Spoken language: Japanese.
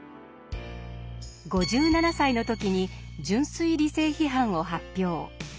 ５７歳の時に「純粋理性批判」を発表。